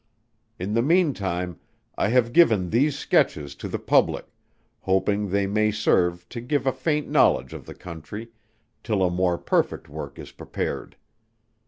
In the mean time, I have given these Sketches to the public, hoping they may serve to give a faint knowledge of the Country, till a more perfect Work is prepared.